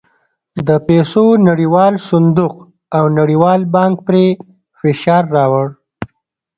د پیسو نړیوال صندوق او نړیوال بانک پرې فشار راووړ.